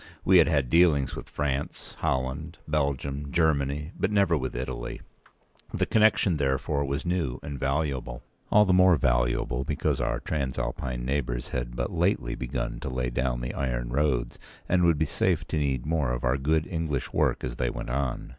We had had dealings with France, Holland, Belgium, Germany; but never with Italy. The connexion, therefore, was new and valuable—all the more valuable because our Transalpine neighbours had but lately begun to lay down the iron roads, and would be safe to need more of our good English p. 191work as they went on.